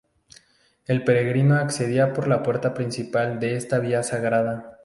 El peregrino accedía por la puerta principal de esta vía sagrada.